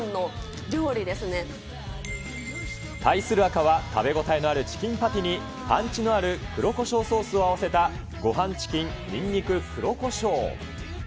対する赤は、食べ応えのあるチキンパティにパンチのある黒胡椒ソースを合わせたごはんチキンにんにく黒胡椒。